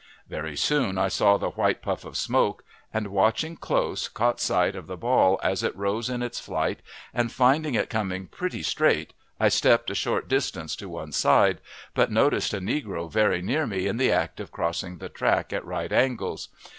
Very soon I saw the white puff of smoke, and, watching close, caught sight of the ball as it rose in its flight, and, finding it coming pretty straight, I stepped a short distance to one side, but noticed a negro very near me in the act of crossing the track at right angles.